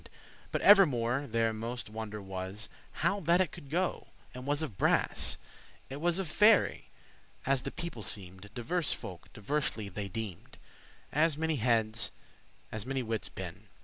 * *weened, thought But evermore their moste wonder was How that it coulde go, and was of brass; It was of Faerie, as the people seem'd. Diverse folk diversely they deem'd; As many heads, as many wittes been.